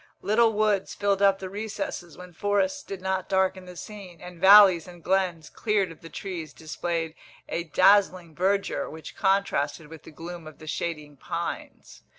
Little woods filled up the recesses when forests did not darken the scene, and valleys and glens, cleared of the trees, displayed a dazzling verdure which contrasted with the gloom of the shading pines.